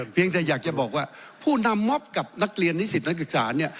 เพียงแต่อยากจะบอกว่าผู้นำมอบกับนักเรียนนิสิตนักศึกษาเนี่ย